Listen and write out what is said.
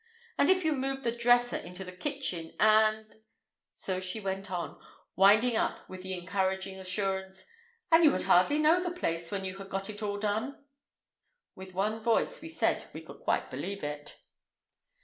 And if you moved the dresser into the kitchen, and——" So she went on, winding up with the encouraging assurance, "And you would hardly know the place when you had got it all done." With one voice we said we could quite believe it.